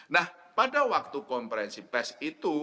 nah pada waktu konferensi pes itu